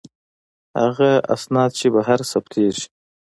هغه اسناد چې بهر ثبتیږي.